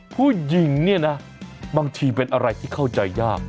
ผู้หญิงเนี่ยนะบางทีเป็นอะไรที่เข้าใจยาก